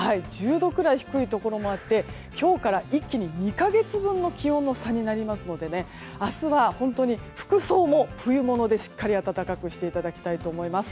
１０度ぐらい低いところもあって今日から一気に２か月分の気温の差になりますので明日は本当に、服装も冬物でしっかり暖かくしていただきたいと思います。